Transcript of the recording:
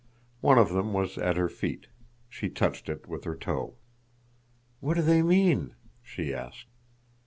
One of them was at her feet. She touched it with her toe. "What do they mean?" she asked.